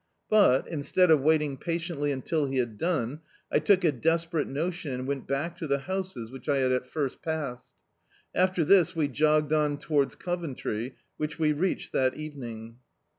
But, instead of waiting patiently until he had done, I took a desperate notion and went back to the houses which I had at first passed. After this we jo^ed on towards Coventry, which we reached that evening.